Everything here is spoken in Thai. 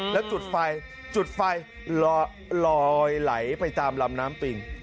แล้วจุดไฟจุดไฟลอยไหลไปตามลำน้ำปิง